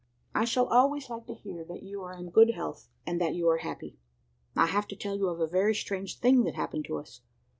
I shall always like to hear that you are in good health, and that you are happy. "I have to tell you of a very strange thing that happened to us.